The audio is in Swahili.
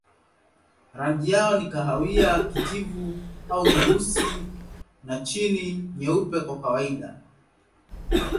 Rangi yao ni kahawia, kijivu au nyeusi na chini nyeupe kwa kawaida.